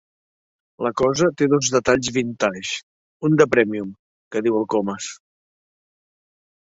La cosa té dos detalls vintage, un de prèmium, que diu el Comas.